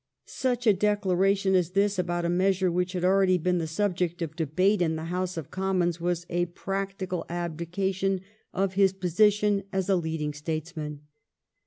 Such a declaration as this about a measure which had already been the subject of debate in the House of Commons was a practical abdication of his position as a leading statesman.